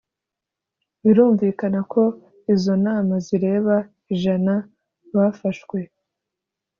Birumvikana ko izo nama zireba ijana bafashwe